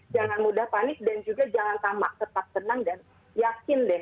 jangan mudah panik dan juga jangan tamak tetap tenang dan yakin deh